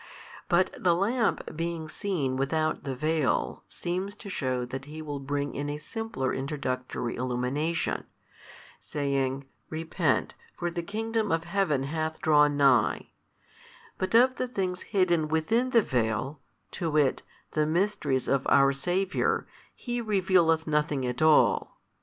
But the lamp being seen without the vail, seems |290 to shew that he will bring in a simpler introductory illumination, saying, Repent, for the Kingdom of Heaven hath drawn nigh; but of the things hidden within the vail, to wit, the mysteries of our Saviour, he revealeth nothing at all.